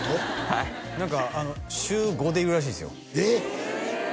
はい何か週５でいるらしいですよえっ？